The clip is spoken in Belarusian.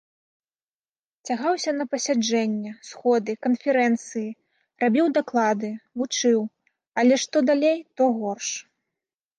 Цягаўся на пасяджэнні, сходы, канферэнцыі, рабіў даклады, вучыў, але што далей, то горш.